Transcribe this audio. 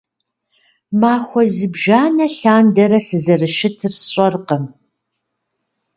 Махуэ зыбжана лъандэрэ, сызэрыщытыр сщӀэркъым.